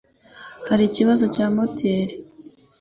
Hari ikibazo cya moteri?